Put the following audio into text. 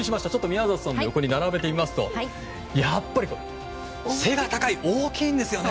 宮里さんの横に並べてみますとやっぱり背が高い大きいんですよね。